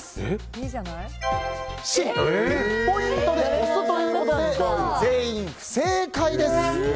Ｃ、ピンポイントで押すということで全員不正解です。